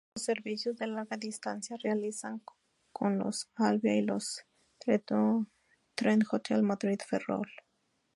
Los servicios de larga distancia realizan con los Alvia y los Trenhotel Madrid-Ferrol.